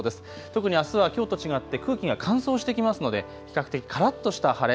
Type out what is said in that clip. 特にあすはきょうと違って空気が乾燥してきますので、比較的からっとした晴れ。